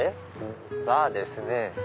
バーですね。